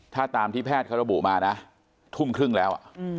ถ้าตามที่แพทย์เขาระบุมานะทุ่มครึ่งแล้ว